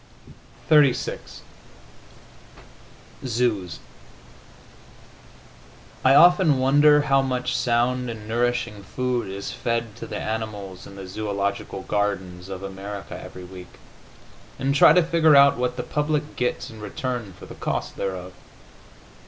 XXXVI ZOOS I often wonder how much sound and nourishing food is fed to the animals in the zoological gardens of America every week, and try to figure out what the public gets in return for the cost thereof.